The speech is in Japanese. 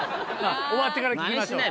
終わってから聞きましょう。